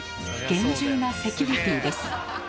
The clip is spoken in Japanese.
厳重なセキュリティです。